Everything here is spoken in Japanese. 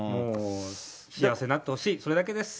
幸せになってほしい、それだけです。